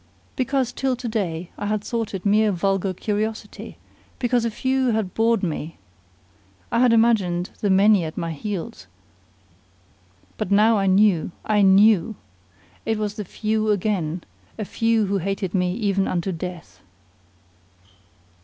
Because till to day I had thought it mere vulgar curiosity; because a few had bored me, I had imagined the many at my heels; but now I knew I knew! It was the few again: a few who hated me even unto death.